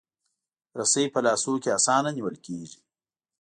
رسۍ په لاسو کې اسانه نیول کېږي.